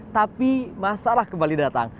tapi masalah kembali datang